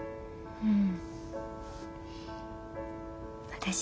うん。